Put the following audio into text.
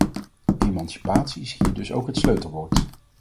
Emancipatie is hier dus ook het sleutelwoord.